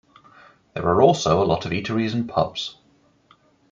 There are also a lot of eateries and pubs.